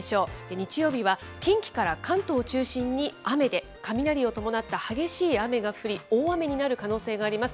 日曜日は近畿から関東を中心に雨で、雷を伴った激しい雨が降り、大雨になる可能性があります。